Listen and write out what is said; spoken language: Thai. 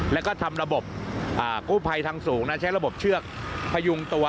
แล้วก็ทำระบบกู้ภัยทางสูงใช้ระบบเชือกพยุงตัว